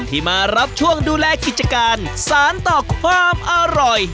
ที่มารับช่วงดูแลกิจการสารต่อความอร่อย